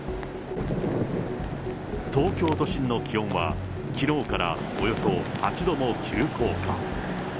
東京都心の気温はきのうからおよそ８度も急降下。